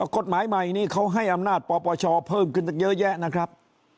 กฎหมายใหม่นี้เขาให้อำนาจปปชเพิ่มขึ้นตั้งเยอะแยะนะครับ